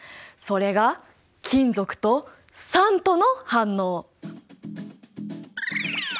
それが金属と酸との反応！